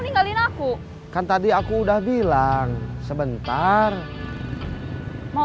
tinggalin aku kan tadi aku udah bilang sebentar mau apa aku harus nerima telanjangmu